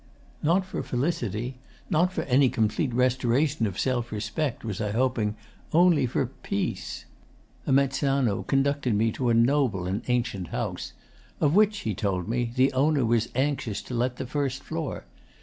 Not for felicity, not for any complete restoration of self respect, was I hoping; only for peace. A "mezzano" conducted me to a noble and ancient house, of which, he told me, the owner was anxious to let the first floor.